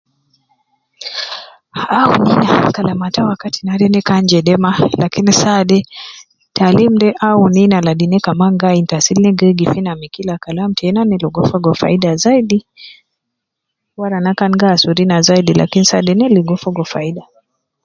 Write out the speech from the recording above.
Awun ina kalam ata wakati naade ne kan jede maa, lakin saade taalim de awun ina ladi ne kaman gi ayinul taasil ina gi yegif ina me kila kalam tena, na ligo fogo faida zaidi, wara naa kan gi asuru ina zaidi lakin saade ina ligo fogo faida.